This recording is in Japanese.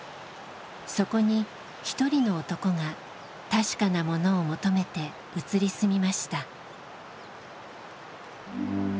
そこに一人の男が「確かなもの」を求めて移り住みました。